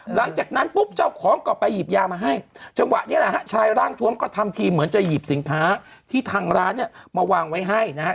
หลังจากนั้นปุ๊บเจ้าของก็ไปหยิบยามาให้จังหวะนี้แหละฮะชายร่างทวมก็ทำทีเหมือนจะหยิบสินค้าที่ทางร้านเนี่ยมาวางไว้ให้นะฮะ